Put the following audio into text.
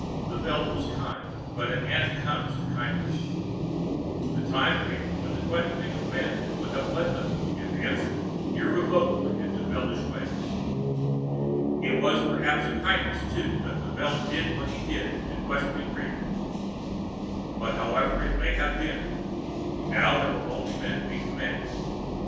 The Veld was kindly, but an end comes to kindness. The time came when the questioning of men would have led them, if answered, irrevocably into Veldish ways. It was perhaps a kindness, too, that the Veld did what he did to questioning creatures. But however it may have been, now there were only men to be commanded.